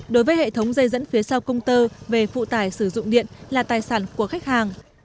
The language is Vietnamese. đối với hệ thống dây dẫn phía sau công tơ về phụ tải sử dụng điện là tài sản của khách hàng